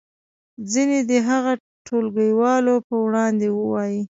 ځینې دې هغه ټولګیوالو په وړاندې ووایي.